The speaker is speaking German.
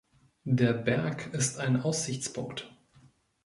Der Berg ist ein Aussichtspunkt.